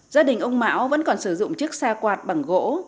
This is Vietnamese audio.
gia đình ông mão vẫn còn sử dụng chiếc xe quạt bằng gỗ